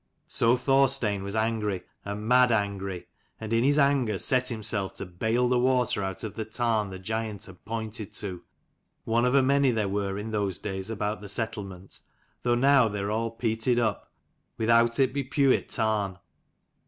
So Thorstein was angry and mad angry ; and in his anger set himself to bale the water out of the tarn the giant had pointed to, one of a many there were in those days about the settlement, though now they are all peated up, without it be Pewit tarn.